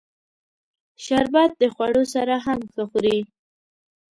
شربت د خوړو سره هم ښه خوري